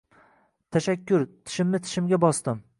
Tashakkur, tishimni tishimga bosdim